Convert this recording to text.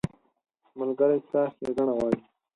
ملګری ستا ښېګڼه غواړي.